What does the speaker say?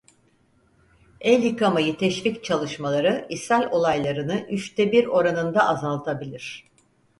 El yıkamayı teşvik çalışmaları ishal olaylarını üçte bir oranında azaltabilir.